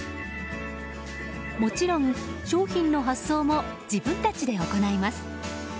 もちろん商品の発送も自分たちで行います。